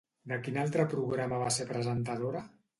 De quin altre programa va ser presentadora?